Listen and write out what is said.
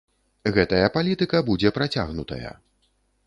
Гэтая палітыка будзе працягнутая.